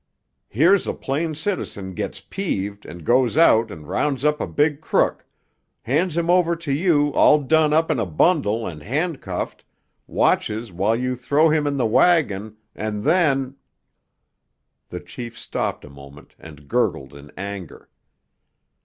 Here's a plain citizen gets peeved and goes out and rounds up a big crook—hands him over to you all done up in a bundle and handcuffed, watches while you throw him in the wagon, and then——" The chief stopped a moment and gurgled in anger.